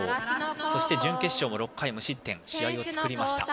そして準決勝も６回無失点と試合を作りました。